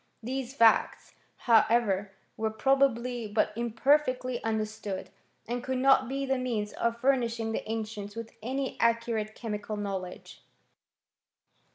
These facts, however, were probably but imperfectly under stood, and could not be the means of furnishing the ancients with any accurate chemical knowledge.